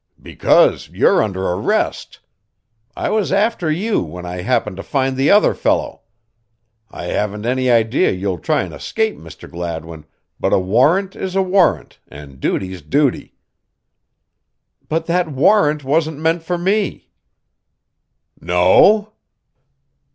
"Because you're under arrest. I was after you when I happened to find the other fellow. I haven't any idea you'll try and escape, Mr. Gladwin, but a warrant is a warrant and duty's duty." "But that warrant wasn't meant for me." "No?"